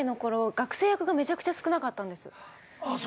学生役がめちゃくちゃ少なかったんです。